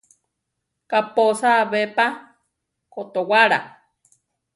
Kaʼpósa be pa kotowála?